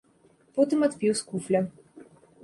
Потым адпіў з куфля.